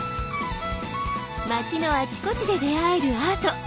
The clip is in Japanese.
まちのあちこちで出会えるアート。